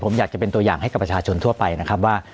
ผมอยากจะเป็นตัวอย่างให้กับประชาชนทั่วไปนะครับว่า